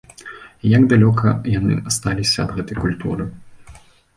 І як далёка яны асталіся ад гэтай культуры!